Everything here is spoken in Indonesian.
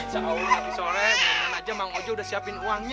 saat sore beranian aja mang ojo udah siapin uangnya